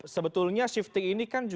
sebetulnya shifting ini kan